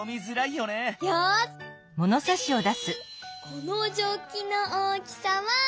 このジョッキの大きさは。